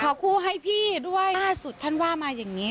คู่ให้พี่ด้วยล่าสุดท่านว่ามาอย่างนี้